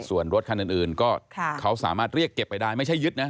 ส่วนรถคันอื่นก็เขาสามารถเรียกเก็บไปได้ไม่ใช่ยึดนะ